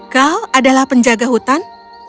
kau adalah penjaga hutan